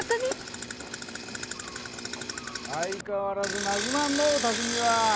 相変わらずなじまんのうたくみは！